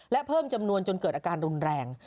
และเพิ่มจำนวนจนเกิดอาการรุนแรง